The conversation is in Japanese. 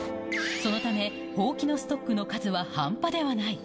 そのため、ほうきのストックの数は半端ではない。